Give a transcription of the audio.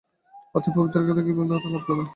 অতএব পবিত্রতাই তাঁহার কৃপালাভের উপায়।